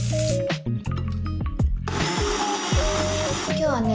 今日はね